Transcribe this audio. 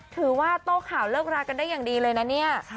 โต้ข่าวเลิกรากันได้อย่างดีเลยนะเนี่ย